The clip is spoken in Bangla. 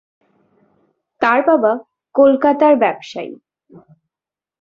তার বাবা কলকাতার ব্যবসায়ী।